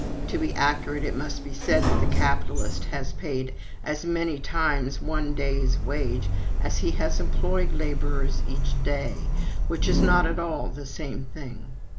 To be accurate, it must be said that the capitalist has paid as many times one day's wage as he has employed laborers each day, which is not at all the same thing.